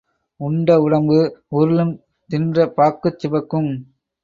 உண்ட உடம்பு உருளும் தின்ற பாக்குச் சிவக்கும்.